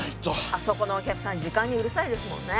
あそこのお客さん時間にうるさいですもんね。